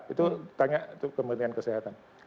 itu tanya kementrian kesehatan